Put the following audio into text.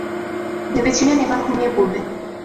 ভেবেছিলেন এবার ঘুমিয়ে পড়বেন।